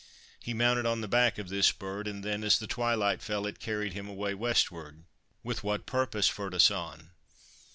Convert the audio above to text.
He mounted on the back of this bird ; and then, as the twilight fell, it carried him away westward.' ' With what purpose, Ferdasan